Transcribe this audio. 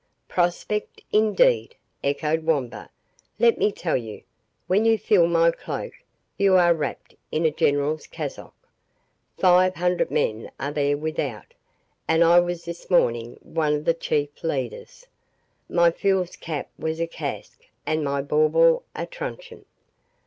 "Prospect, indeed!" echoed Wamba; "let me tell you, when you fill my cloak, you are wrapped in a general's cassock. Five hundred men are there without, and I was this morning one of the chief leaders. My fool's cap was a casque, and my bauble a truncheon.